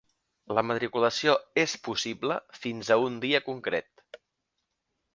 La matriculació és possible fins a un dia concret.